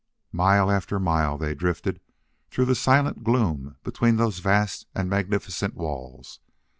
Mile after mile they drifted through the silent gloom between those vast and magnificent walls.